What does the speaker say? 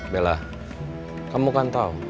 bella kamu kan tahu